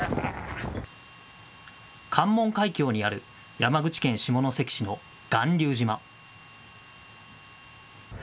関門海峡にある山口県下関市の巌流島。